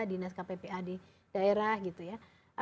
dinas kppa di daerah gitu ya